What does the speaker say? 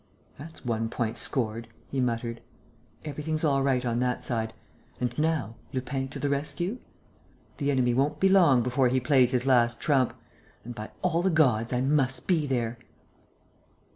"That's one point scored!" he muttered. "Everything's all right on that side. And now, Lupin to the rescue? The enemy won't be long before he plays his last trump ... and, by all the gods, I must be there!..."